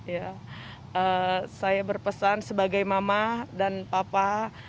ya saya berpesan sebagai mama dan papa